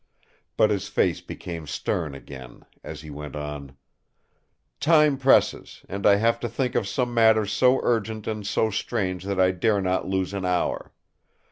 But his face became stern again as he went on: "Time presses; and I have to think of some matters so urgent and so strange that I dare not lose an hour.